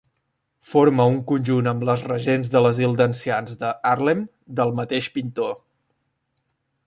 Forma un conjunt amb Les regents de l'asil d'ancians de Haarlem del mateix pintor.